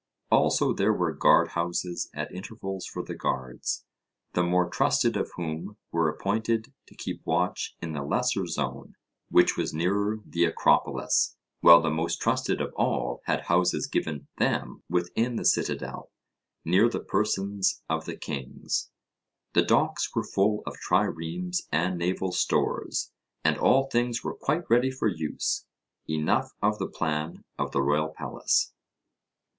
Also there were guard houses at intervals for the guards, the more trusted of whom were appointed to keep watch in the lesser zone, which was nearer the Acropolis; while the most trusted of all had houses given them within the citadel, near the persons of the kings. The docks were full of triremes and naval stores, and all things were quite ready for use. Enough of the plan of the royal palace.